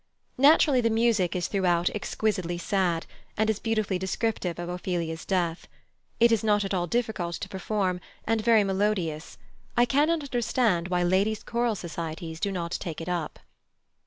Naturally, the music is throughout exquisitely sad, and is beautifully descriptive of Ophelia's death. It is not at all difficult to perform, and very melodious; I cannot understand why Ladies' Choral Societies do not take it up.